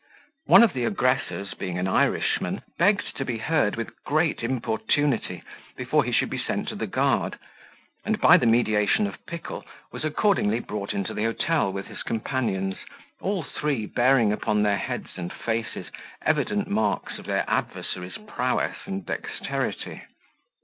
One of the aggressors, being an Irishman, begged to be heard with great importunity before he should be sent to the guard; and, by the mediation of Pickle, was accordingly brought into the hotel with his companions, all three bearing upon their heads and faces evident marks of their adversary's prowess and dexterity.